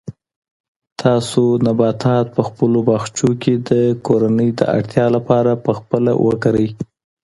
تاسو نباتات په خپلو باغچو کې د کورنۍ د اړتیا لپاره په خپله وکرئ.